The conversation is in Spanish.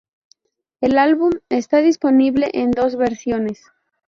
El álbum está disponible en dos versiones.